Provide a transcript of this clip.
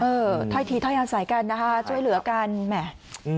ถ้อยทีถ้อยอาศัยกันนะคะช่วยเหลือกันแหม